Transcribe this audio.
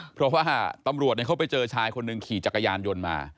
เพราะว่าตำรวจเขาไปเจอชายคนหนึ่งขี่จักรยานยนต์มา